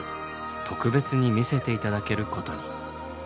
特別に見せて頂けることに。